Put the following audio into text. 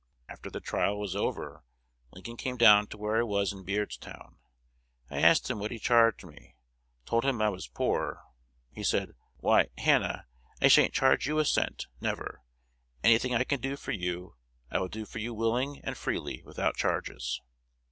After the trial was over, Lincoln came down to where I was in Beardstown. I asked him what he charged me; told him I was poor. He said, 'Why, Hannah, I sha'n't charge you a cent, never. Any thing I can do for you I will do for you willing and freely without charges.'